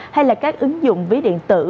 hay là các ứng dụng ví điện tử